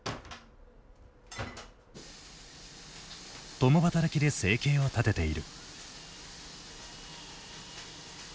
共働きで生計を立てている。